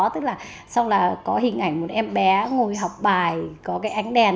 tức là có hình ảnh một em bé ngồi học bài có cái ánh đèn